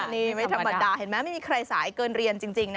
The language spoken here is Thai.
นี่ไม่ธรรมดาเห็นไหมไม่มีใครสายเกินเรียนจริงนะ